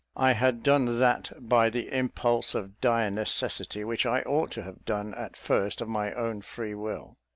I had done that by the impulse of dire necessity which I ought to have done at first of my own free will.